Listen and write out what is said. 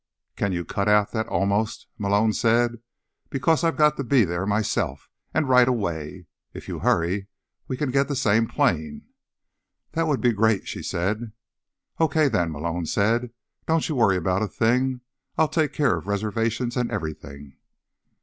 "Can you cut out that 'almost'?" Malone said. "Because I've got to be there myself, and right away. If you hurry, we can get the same plane." "That would be great," she said. "Okay, then," Malone said. "Don't you worry about a thing, I'll take care of reservations and everything."